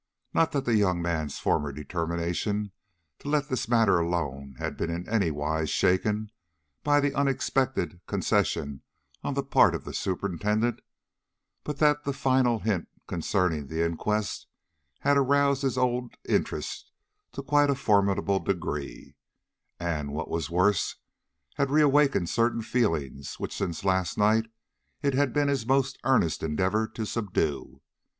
Not that the young man's former determination to let this matter alone had been in any wise shaken by the unexpected concession on the part of the superintendent, but that the final hint concerning the inquest had aroused his old interest to quite a formidable degree, and, what was worse, had reawakened certain feelings which since last night it had been his most earnest endeavor to subdue.